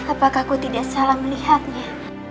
apakah kau tidak salah melihatnya